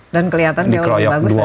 dan kelihatan jauh lebih bagus daripada